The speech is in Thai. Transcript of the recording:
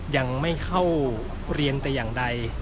ยังไม่เข้าเรียนแต่อย่างใด